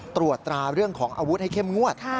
ตรวจตราเรื่องของอาวุธให้เข้มงวด